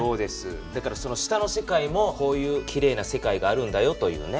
だから下の世界もこういうきれいな世界があるんだよというね。